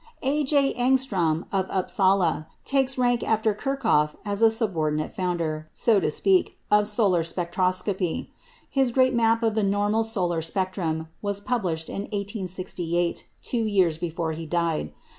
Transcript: A. J. Ångström of Upsala takes rank after Kirchhoff as a subordinate founder, so to speak, of solar spectroscopy. His great map of the "normal" solar spectrum was published in 1868, two years before he died.